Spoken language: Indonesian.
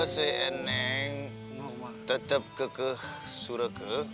si neng tetep kekeh surga